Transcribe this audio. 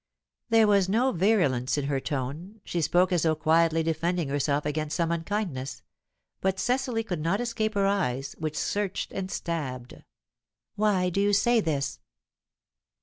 There was no virulence in her tone; she spoke as though quietly defending herself against some unkindness. But Cecily could not escape her eyes, which searched and stabbed. "Why do you say this?"